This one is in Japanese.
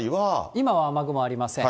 今は雨雲ありません。